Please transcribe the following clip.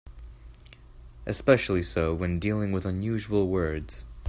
Especially so when dealing with unusual words.